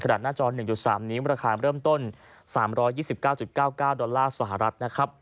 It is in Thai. หน้าจอ๑๓นิ้วราคาเริ่มต้น๓๒๙๙๙ดอลลาร์สหรัฐนะครับ